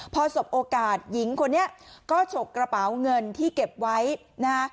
พอสบโอกาสหญิงคนนี้ก็ฉกกระเป๋าเงินที่เก็บไว้นะฮะ